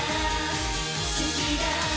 好きだ